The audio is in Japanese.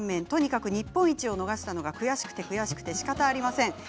とにかく日本一を逃したのが悔しくて悔しくてしかたありません。